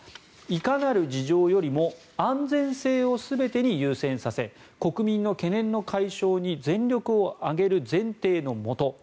いかなる事情よりも安全性を全てに優先させ国民の懸念の解消に全力を挙げる前提のもと